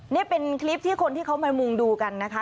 นี่เป็นคลิปที่คนที่เขามามุงดูกันนะคะ